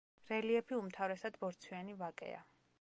რელიეფი უმთავრესად ბორცვიანი ვაკეა.